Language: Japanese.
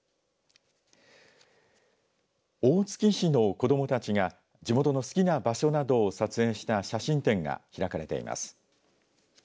大月市の子どもたちが地元の好きな場所などを撮影した写真展が開かれています。